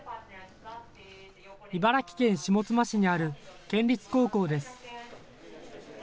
茨城県下妻市にある県立高校です。